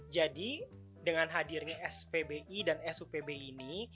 jadi dengan hadirnya spbi dan sufbi ini